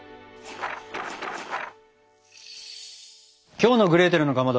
きょうの「グレーテルのかまど」